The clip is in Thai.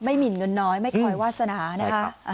หมินเงินน้อยไม่คอยวาสนานะคะ